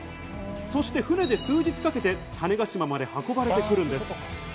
そして船で数日かけて、種子島まで運ばれてくるんです。